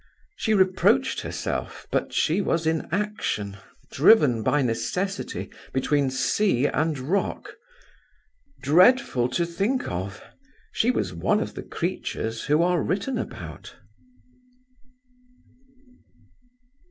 She reproached herself but she was in action, driven by necessity, between sea and rock. Dreadful to think of! she was one of the creatures who are written about.